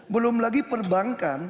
belum lagi perbankan